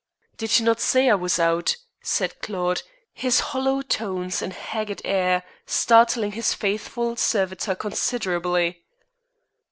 "Did you not say I was out?" said Claude, his hollow tones and haggard air startling his faithful servitor considerably.